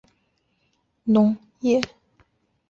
大多数工作来源为农业。